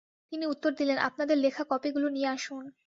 তিনি উত্তর দিলেন- "আপনাদের লেখা কপিগুলো নিয়ে আসুন।